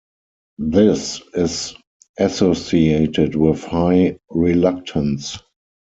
This is associated with high reluctance.